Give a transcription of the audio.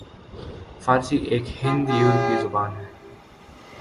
فارسی ایک ہند یورپی زبان ہے